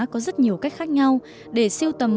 có rất nhiều cách khác nhau để siêu tầm